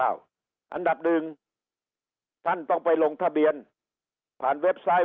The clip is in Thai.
อันดับหนึ่งท่านต้องไปลงทะเบียนผ่านเว็บไซต์